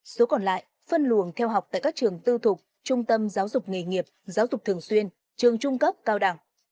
số còn lại phân luồng theo học tại các trường tư thục trung tâm giáo dục nghề nghiệp giáo dục thường xuyên trường trung cấp cao đẳng